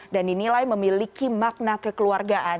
dan dinilai memiliki makna kekeluargaan